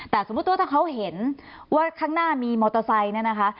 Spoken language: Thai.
แต่สมมุติว่าถ้าเขาเห็นว่าข้างหน้ามีมอเตอร์ไซค์เนี่ยนะคะ